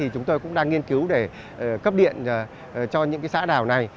chúng tôi cũng đang nghiên cứu để cấp điện cho những xã đảo này